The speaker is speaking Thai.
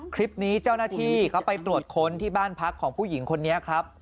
คลิปนี้เจ้าหน้าที่เขาไปตรวจค้นที่บ้านพักของผู้หญิงคนนี้ครับ